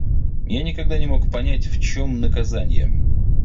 Я никогда не мог понять, в чем наказанье.